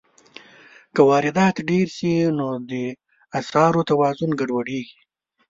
که واردات ډېر شي، نو د اسعارو توازن ګډوډېږي.